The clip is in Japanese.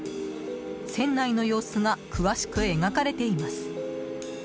船内の様子が詳しく描かれています。